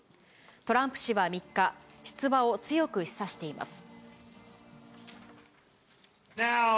トランプ氏は３日、出馬を強く示唆しています。